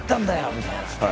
みたいな。